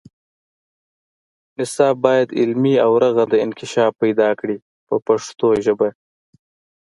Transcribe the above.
نصاب باید علمي او رغنده انکشاف پیدا کړي په پښتو ژبه.